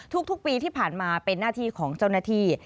ทุกปีที่ผ่านมาเป็นหน้าที่ของเจ้าหน้าที่